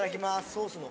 ソースの。